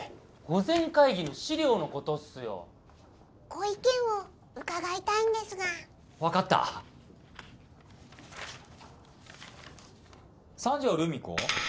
御前会議の資料のことっすよご意見を伺いたいんですが分かった三条留美子？